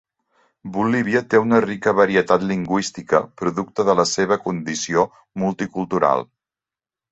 Bolívia té una rica varietat lingüística producte de la seva condició multicultural.